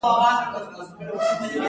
کله چې زه اته ساعته کار کوم تجربه کاروم